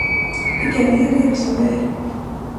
Tikai viena iemesla dēļ.